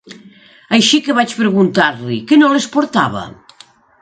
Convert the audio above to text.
Així que vaig preguntar-li "Que no les portava?".